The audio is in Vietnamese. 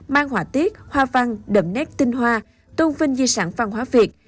mang họa tiết hoa văn đậm nét tinh hoa tôn vinh di sản văn hóa việt